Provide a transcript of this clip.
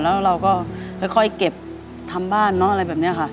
แล้วเราก็ค่อยเก็บทำบ้านเนอะอะไรแบบนี้ค่ะ